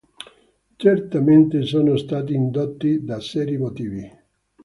Certamente sono stati indotti da seri motivi.